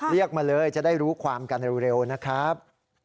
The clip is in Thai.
เรียกมาเลยจะได้รู้ความกันเร็วนะครับ